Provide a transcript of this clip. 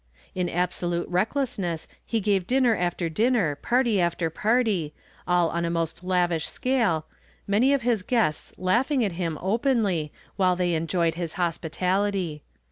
In absolute recklessness he gave dinner after dinner, party after party, all on a most lavish scale, many of his guests laughing at him openly while they enjoyed his hospitality.